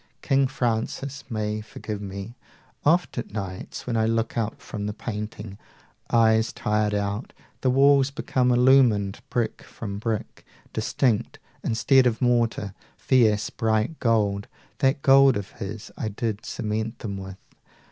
King Francis may forgive me: oft at nights When I look up from painting, eyes tired out, 215 The walls become illumined, brick from brick Distinct, instead of mortar, fierce bright gold, That gold of his I did cement them with!